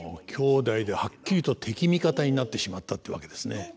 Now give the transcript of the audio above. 兄弟ではっきりと敵味方になってしまったってわけですね。